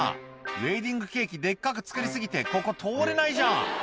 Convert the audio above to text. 「ウエディングケーキデッカく作り過ぎてここ通れないじゃん」